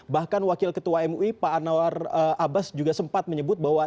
bahkan wakil ketua mui pak anwar abbas juga sempat menyebut bahwa